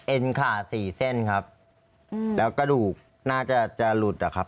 ขาสี่เส้นครับแล้วกระดูกน่าจะจะหลุดอะครับ